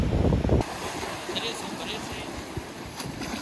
هڌري سمڀري سي